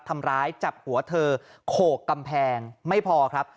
ทำร้ายจับหัวเธอโขกกำแพงไม่พอครับ